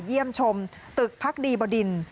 เยี่ยมชมตึกพักดีบดิน